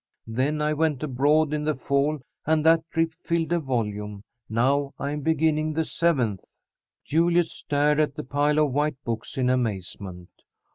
Then I went abroad in the fall, and that trip filled a volume. Now I am beginning the seventh." Juliet stared at the pile of white books in amazement.